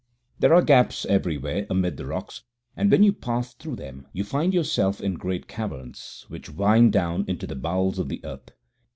There are gaps everywhere amid the rocks, and when you pass through them you find yourself in great caverns, which wind down into the bowels of the earth.